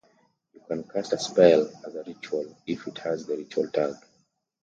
You can cast a spell as a ritual if it has the ritual tag .